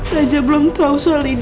raja belum tau soal ini kan